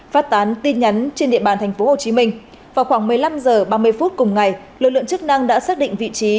phát tán tin nhắn trên địa bàn tp hcm vào khoảng một mươi năm h ba mươi phút cùng ngày lực lượng chức năng đã xác định vị trí